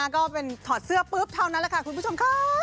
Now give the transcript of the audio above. ก็เป็นถอดเสื้อปุ๊บเท่านั้นแหละค่ะคุณผู้ชมค่ะ